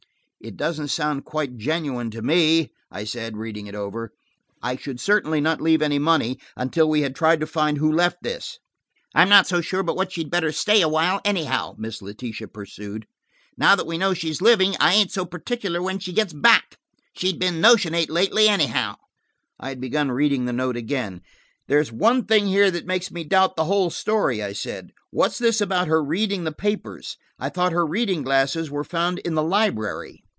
"It doesn't sound quite genuine to me," I said, reading it over. "I should certainly not leave any money until we had tried to find who left this." "I'm not so sure but what she'd better stay a while anyhow," Miss Letitia pursued. "Now that we know she's living, I ain't so particular when she gets back. She's been notionate lately anyhow." I had begun reading the note again. "There's one thing here that makes me doubt the whole story," I said. "What's this about her reading the papers? I thought her reading glasses were found in the library."